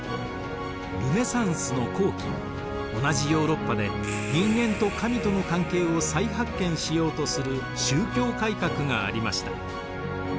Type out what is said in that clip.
ルネサンスの後期同じヨーロッパで人間と神との関係を再発見しようとする宗教改革がありました。